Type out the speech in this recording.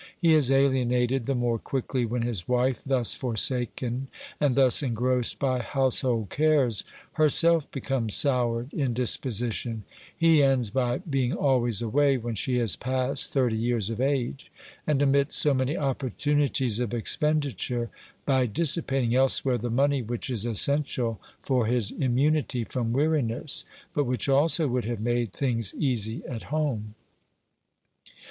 He is ahenated the more quickly when his wife, thus forsaken and thus engrossed by house hold cares, herself becomes soured in disposition ; he ends by being always away when she has passed thirty years of age, and, amidst so many opportunities of expenditure, by dissipating elsewhere the money which is essential for his immunity from weariness, but which also would have made things easy at home.